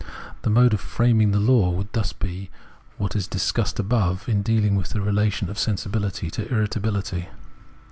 The mode of framing the law would thus be what we discussed above, in dealing with the relation of sensibihty to irritability.